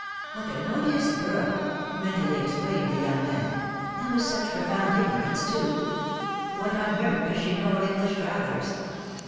''''" What an odious girl !" mentally exclaimed the young man ;" and with such profound ignorance too ! What on earth does she know of English travellers